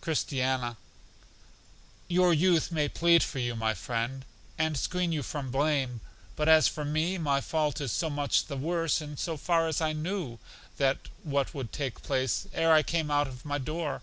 Christiana: Your youth may plead for you, my friend, and screen you from blame; but as for me, my fault is so much the worse in so far as I knew what would take place ere I came out of my door.